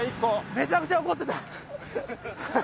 めちゃくちゃ怒ってた。